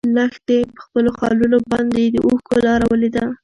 لښتې په خپلو خالونو باندې د اوښکو لاره ولیده.